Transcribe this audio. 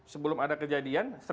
sebelum ada kejadian seratus